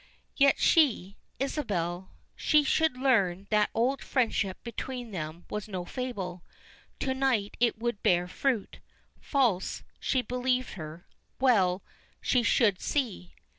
Yet she Isabel she should learn that that old friendship between them was no fable. To night it would bear fruit. False, she believed her well, she should see.